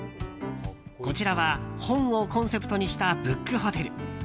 こちらは本をコンセプトにしたブックホテル。